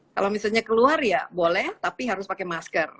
kalau misalnya keluar ya boleh tapi harus pakai masker